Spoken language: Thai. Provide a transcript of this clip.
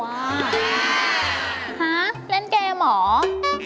ฮะเล่นเกมเหรอ